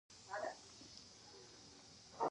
نورستان د افغانستان د فرهنګي فستیوالونو برخه ده.